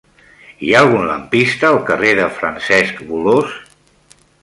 Hi ha algun lampista al carrer de Francesc Bolòs?